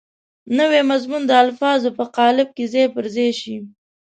نوی مضمون د الفاظو په قالب کې ځای پر ځای شي.